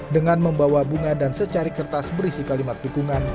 dengan membawa bunga dan secari kertas berisi kalimat dukungan